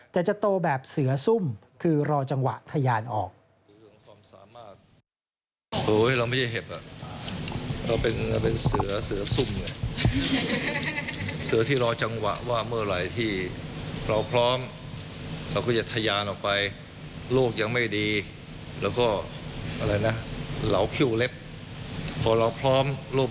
แต่จะโตแบบเสือซุ่มคือรอจังหวะทะยานออก